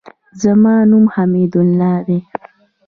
زما نوم حمیدالله دئ.